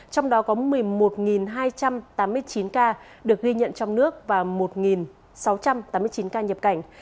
trong đó có một mươi một hai trăm tám mươi chín ca được ghi nhận trong nước và một sáu trăm tám mươi chín ca nhập cảnh